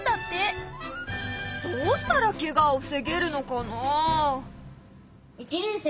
どうしたらケガを防げるのかな？